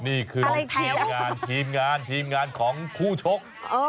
นี่คือทีมงานทีมงานทีมงานของคู่ชก